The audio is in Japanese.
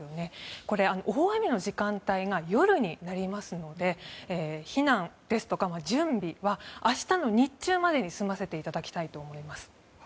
これ、大雨の時間帯が夜になりますので避難ですとか準備は明日の日中までに済ませていただきたいと思います。